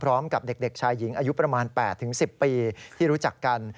พร้อมกับเด็กชายหญิงอายุประมาณ๘๑๐ปีที่รู้จักกัน